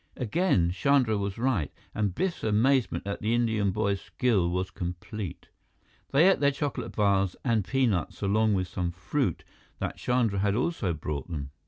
Again Chandra was right, and Biff's amazement at the Indian boy's skill was complete. They ate their chocolate bars and peanuts along with some fruit that Chandra had also brought them.